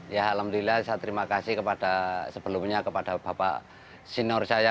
ya alhamdulillah saya terima kasih kepada sebelumnya kepada bapak senior saya